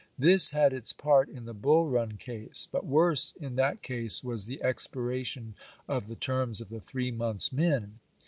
This had its part in the Bull Run case ; but worse in that case was the ex piration of the terms of the three months' men.